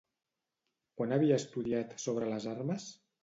Quan havia estudiat sobre les armes?